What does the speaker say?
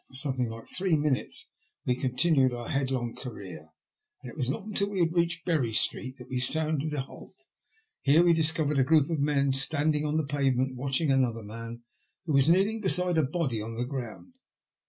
For something like three minutes we continued our headlong career, and it was not until we had reached Bury Street that we sounded a halt. Here we discovered a group of men standing on the pavement watching another man, who was kneeling beside a body upon the ground.